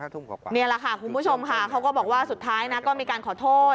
นี่แหละค่ะคุณผู้ชมค่ะเขาก็บอกว่าสุดท้ายนะก็มีการขอโทษ